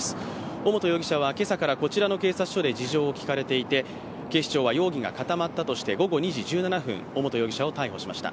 尾本容疑者は今朝からこちらの警察署で事情を聴かれていて警視庁は容疑が固まったとして、午後２時１７分、尾本容疑者を逮捕しました。